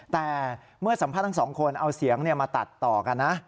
แต่เมื่อสัมภาษณ์ทั้งสองคนเอาเสียงมาตัดต่อกันนะ